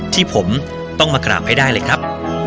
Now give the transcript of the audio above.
ที่ผมต้องมากราบให้ได้เลยครับ